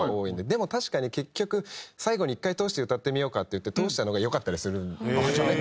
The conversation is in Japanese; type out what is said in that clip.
でも確かに結局最後に１回通して歌ってみようかっていって通したのが良かったりするんですよね。